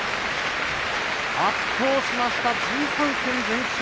圧倒しました１３戦全勝。